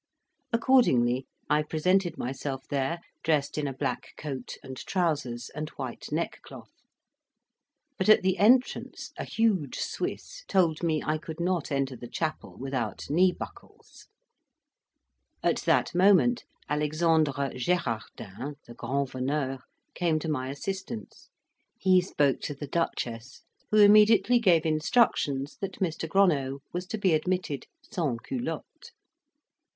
Accordingly I presented myself there dressed in a black coat and trousers and white neckcloth; but at the entrance, a huge Swiss told me I could not enter the chapel without knee buckles. At that moment Alexandre Gerardin, the grand veneur, came to my assistance; he spoke to the Duchess, who immediately gave instructions that Mr. Gronow was to be admitted "sans culottes."